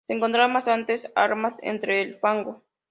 Se encontraron bastantes armas entre el fango.